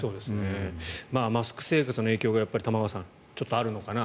マスク生活の影響が玉川さん、ちょっとあるのかな。